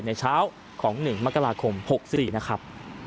ในเช้าของ๑มกราคม๖๔นะครับ